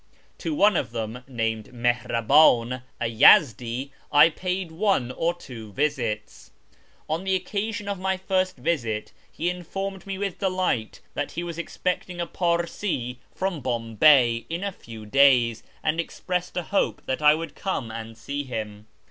To one of them, named Mihraban, a Yezdi, I paid one or two visits. On the occasion of my first visit he informed me with delight that he was expecting a Parsee from Bombay in a few days, and expressed a hope that I would come and see him.